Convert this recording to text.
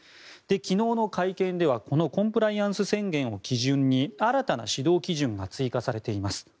昨日の会見ではこのコンプライアンス宣言を基準に新たな指導基準が追加されています。